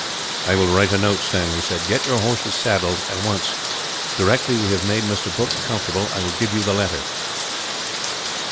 "I will write a note," Stanley said. "Get your horse saddled, at once. Directly we have made Mr. Brooke comfortable, I will give you the letter."